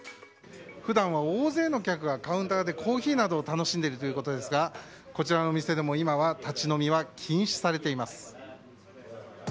普段は大勢の客がカウンターでコーヒーなどを楽しんでいるということですがこちらのお店でも今は立ち飲みが禁止されています。